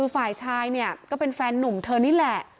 ฝ่ายชายเนี่ยและเฟนหลวงเธอนี้แหละ